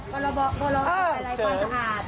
พอเราบอกพอเราบอกอะไรความสะอาด